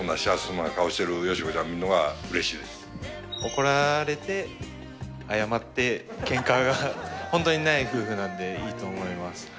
見るのがうれしいで怒られて、謝って、けんかが本当にない夫婦なんで、いいと思います。